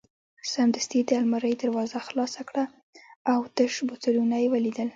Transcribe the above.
سمدستي یې د المارۍ دروازه خلاصه کړل او تش بوتلونه یې ولیدل.